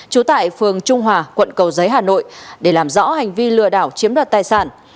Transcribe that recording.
trú tại phường trung hòa quận cầu giấy hà nội để làm rõ hành vi lừa đảo chiếm đoạt tài sản